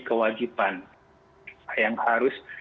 kewajiban yang harus